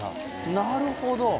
なるほど！